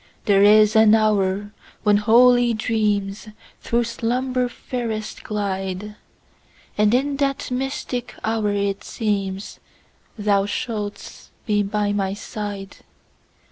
There is an hour when holy dreamsThrough slumber fairest glide; And in that mystic hour it seemsThou shouldst be by my side.